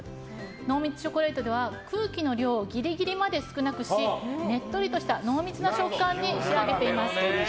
濃密チョコレートでは空気の量をギリギリまで少なくしねっとりとした濃密な食感に仕上げています。